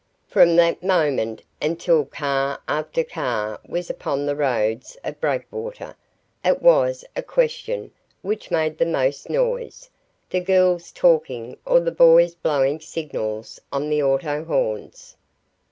From that moment, until car after car was upon the roads of Breakwater, it was a question which made the most noise, the girls talking or the boys blowing signals on the auto horns.